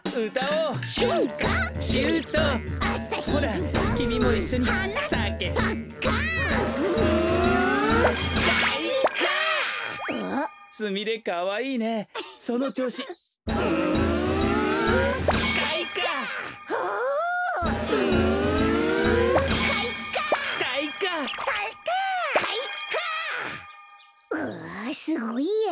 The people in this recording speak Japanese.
うわすごいや。